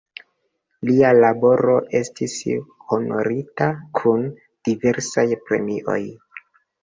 Lia laboro estis honorita kun diversaj premioj.